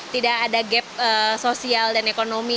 tidak ada gap sosial dan ekonomi